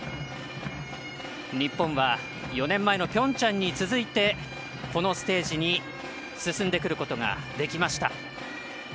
日本は４年前のピョンチャンに続いてこのステージに進んでくることができました。